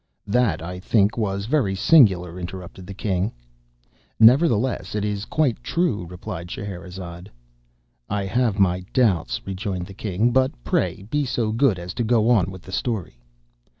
"That I think, was very singular," interrupted the king. "Nevertheless, it is quite true," replied Scheherazade. "I have my doubts," rejoined the king; "but, pray, be so good as to go on with the story."